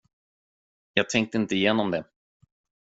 Jag tänkte inte igenom det.